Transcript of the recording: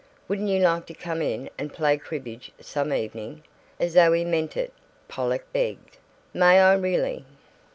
"Wouldn't you like to come in and play cribbage, some evening?" As though he meant it, Pollock begged, "May I, really?"